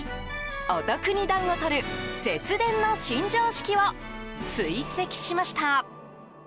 お得に暖をとる節電の新常識を追跡しました。